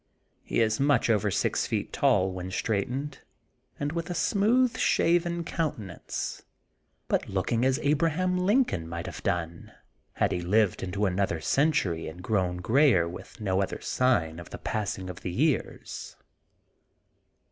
He is much over six feet tall, when straight ened, and with a smooth shaven countenance, but looking as Abraham Lincoln might have THK GOLDEN BOOK OF SPRINGFIELD 121 done, had he lived into another oentory and grown grayer with no other sign of the passing of the years.